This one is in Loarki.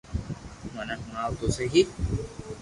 مني ھڻاو تو سھي